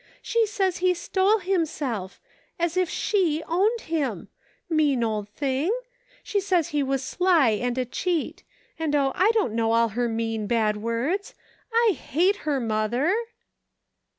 She says he stole himself ! As if she owned him ! Mean old thing ! She says he was sly and a cheat ; and oh ! I don't know all her mean, bad words. I hate her, mother."